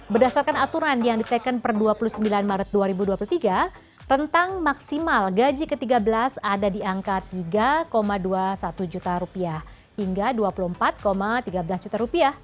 berdasarkan aturan yang diteken per dua puluh sembilan maret dua ribu dua puluh tiga rentang maksimal gaji ke tiga belas ada di angka rp tiga dua puluh satu juta hingga rp dua puluh empat tiga belas juta